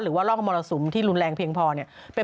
ร่องมรสุมที่รุนแรงเพียงพอเนี่ย